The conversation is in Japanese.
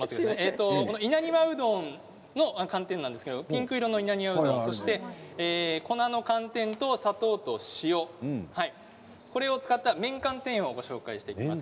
稲庭うどんの寒天なんですけどピンク色の稲庭うどん、そして粉の寒天と砂糖と塩これを使った麺寒天をご紹介します。